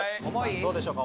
どうでしょうか？